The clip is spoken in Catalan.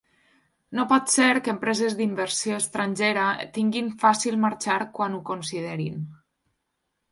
No pot ser que empreses d’inversió estrangera tinguin fàcil marxar quan ho considerin.